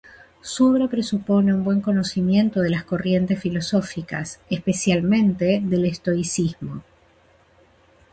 Su obra presupone un buen conocimiento de las corrientes filosóficas, especialmente del estoicismo.